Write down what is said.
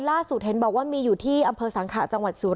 ล่าสุทธิ์เห็นบอกว่ามีอยู่ที่อำเภอสังขาจังหวัดสุริน